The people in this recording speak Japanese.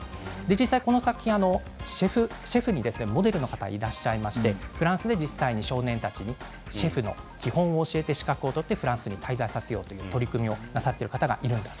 実際この作品はシェフにモデルの方がいらっしゃいましてフランスで実際に少年たちにシェフの基本を教えてフランスに滞在させようという取り組みをなさっています。